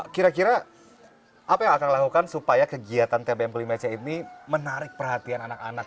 kira kira apa yang akan dilakukan supaya kegiatan tbm klimac ini menarik perhatian anak anak